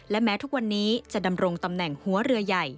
และแม้ทุกวันนี้จะดำรงตำแหน่งหัวเรือใหญ่